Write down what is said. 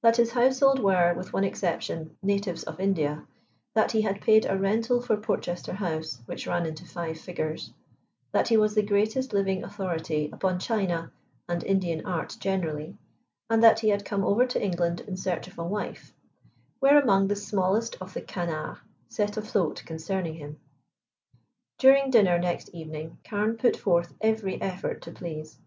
That his household were, with one exception, natives of India, that he had paid a rental for Portchester House which ran into five figures, that he was the greatest living authority upon china and Indian art generally, and that he had come over to England in search of a wife, were among the smallest of the canards set afloat concerning him. During dinner next evening Carne put forth every effort to please.